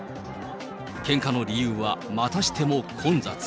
けんかの理由はまたしても混雑。